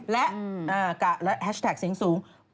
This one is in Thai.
และกะและแฮชแท็กเสียงสูง